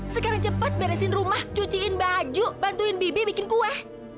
sekarang cepat beresin rumah cuciin baju bantuin bibi bikin kue